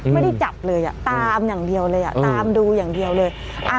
ไม่ได้จับเลยตามอย่างเดียวเลยตามดูอย่างเดียวเลย